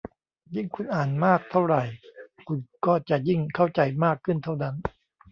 ยิ่งคุณอ่านมากเท่าไหร่คุณก็จะยิ่งเข้าใจมากขึ้นเท่านั้น